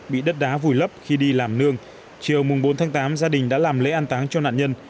bị đất đá vùi lấp khi đi làm nương chiều bốn tháng tám gia đình đã làm lễ an táng cho nạn nhân